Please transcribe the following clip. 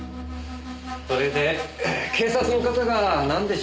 それで警察の方がなんでしょうか？